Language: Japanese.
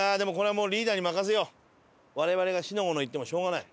我々が四の五の言ってもしょうがない。